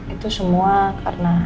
itu semua karena